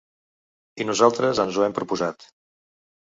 I nosaltres ens ho hem proposat!